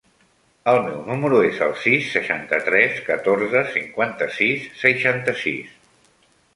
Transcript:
El meu número es el sis, seixanta-tres, catorze, cinquanta-sis, seixanta-sis.